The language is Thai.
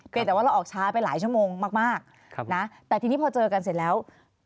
เปรตเราออกเช้าไปหลายช่วงมากแต่พอเจอกันเสร็จแล้ว